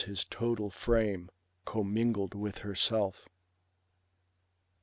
His total frame, commingled with herself.